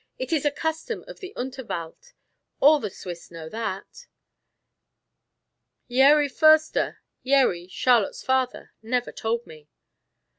It is a custom of Unterwald. All the Swiss know that." "Yeri Foerster Yeri, Charlotte's father, never told me."